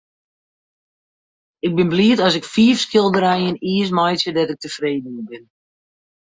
Ik bin bliid as ik fiif skilderijen jiers meitsje dêr't ik tefreden oer bin.